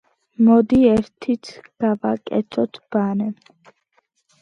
მოდი, ერთიც გავაკეთოთ, ბარემ.